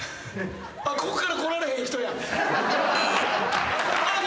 ここから来られへん人。